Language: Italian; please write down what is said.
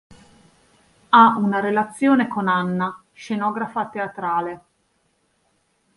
Ha una relazione con Anna, scenografa teatrale.